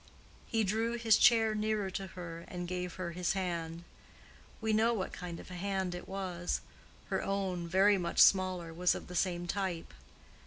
He drew his chair nearer to her and gave her his hand. We know what kind of a hand it was: her own, very much smaller, was of the same type.